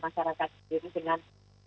masyarakat sendiri dengan